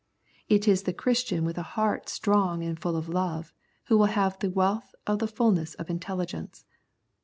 It is the Christian with a heart strong and full of love who vnll have the " wealth of the fulness of intelligence."